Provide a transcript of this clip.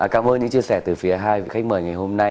cảm ơn những chia sẻ từ phía hai vị khách mời ngày hôm nay